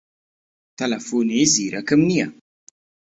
تەلەفۆنی زیرەکم نییە.